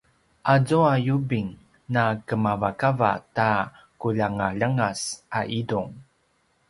azua yubing na kemavakava ta quljangaljangas a itung